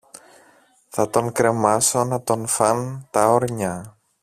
Θα τον κρεμάσω να τον φαν τα όρνια